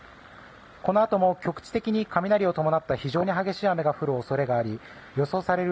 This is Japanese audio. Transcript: このあとも局地的に雷を伴った非常に激しい雨が降る恐れがあり予想される